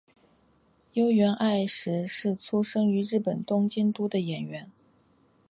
筱原爱实是出身于日本东京都的演员。